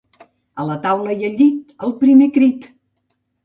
A la taula i al llit, al primer crit!